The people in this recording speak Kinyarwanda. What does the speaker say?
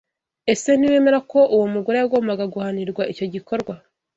Ese ntiwemera ko uwo mugore yagombaga guhanirwa icyo gikorwa